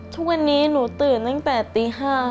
ทุกวันนี้หนูตื่นตั้งแต่ตี๕